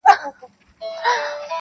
• یو سړي باندي خدای ډېر وو رحمېدلی,